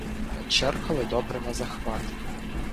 Черкали добре назахват.